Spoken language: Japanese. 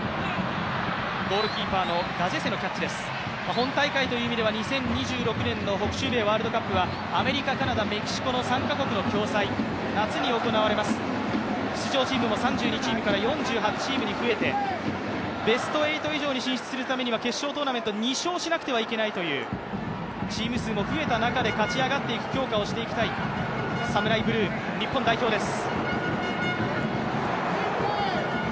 本大会という意味では２０２６年の北中米ワールドカップは、アメリカ、カナダ、メキシコ３か国の共催、夏に行われます、出場チームも３２チームから４８チームに増えてベスト８以上に進出するためには決勝トーナメントを２勝しなくてはいけないというチーム数も増えた中で勝ち上がっていく強化をしたい、ＳＡＭＵＲＡＩＢＬＵＥ、日本代表です。